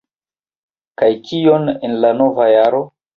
Kaj kion en la nova jaro?